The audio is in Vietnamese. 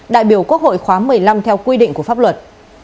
đại biểu quốc hội khóa một mươi năm theo quy định của pháp luật